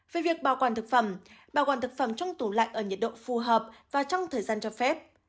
về việc bảo quản thực phẩm bảo quản thực phẩm trong tủ lạnh ở nhiệt độ phù hợp và trong thời gian cho phép